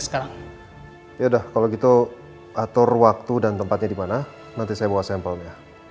yaudah kalau gitu atur waktu dan tempatnya dimana nanti saya bawa sampelnya